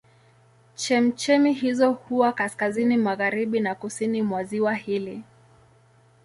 Chemchemi hizo huwa kaskazini magharibi na kusini mwa ziwa hili.